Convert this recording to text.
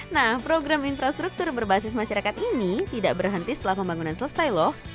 nah program infrastruktur berbasis masyarakat ini tidak berhenti setelah pembangunan selesai lho